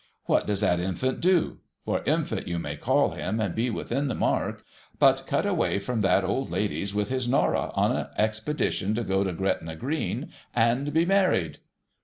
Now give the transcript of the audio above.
What does that Infant do,^ — for Infant you may call him and be within the mark, —• but cut away from that old lady's with his Norah, on a expedition to go to Gretna Green and be married